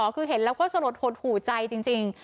คือเห็นแล้วก็สลดหดหูใจจริง